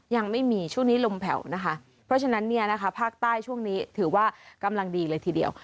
ยังไม่มีช่วงนี้ลมแผ่วนะคะเพราะฉะนั้นเนี่ยนะคะภาคใต้ช่วงนี้ถือว่ากำลังดีเลยทีเดียว